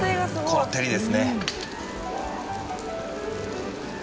この照りですね。